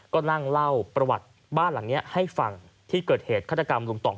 ก็นั่งเล่าประวัติบ้านหลังนี้ให้ฟังที่เกิดเหตุฆาตกรรมลุงต่อง